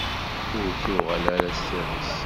Ur ttuɣal ara s iḍes.